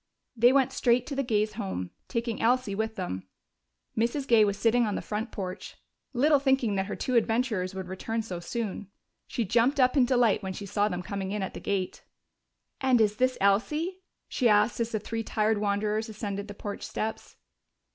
They went straight to the Gays' home, taking Elsie with them. Mrs. Gay was sitting on the front porch, little thinking that her two adventurers would return so soon. She jumped up in delight when she saw them coming in at the gate. "And is this Elsie?" she asked as the three tired wanderers ascended the porch steps.